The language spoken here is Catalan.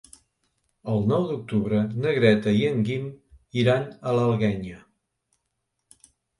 El nou d'octubre na Greta i en Guim iran a l'Alguenya.